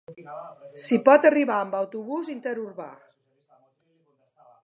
S’hi pot arribar amb autobús interurbà.